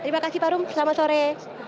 terima kasih parung selamat sore